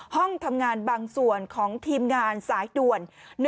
ห้องทำงานบางส่วนของทีมงานสายด่วน๑๕